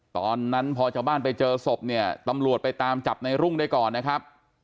ตอนนั้นพอชาวบ้านไปเจอศพเนี่ยตำรวจไปตามจับในรุ่งได้ก่อนนะครับ